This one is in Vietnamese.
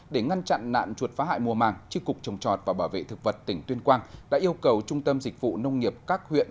để ngăn chặn nạn chuột phá hại mùa màng tri cục trồng chọt và bảo vệ thực vật tỉnh tuyên quang đã yêu cầu trung tâm dịch vụ nông nghiệp các huyện